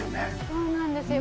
そうなんですよ